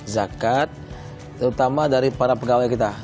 zakat terutama dari para pegawai kita